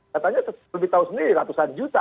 katanya lebih tahu sendiri ratusan juta